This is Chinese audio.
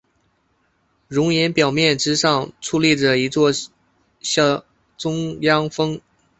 熔岩表面之上矗立着一座小中央峰。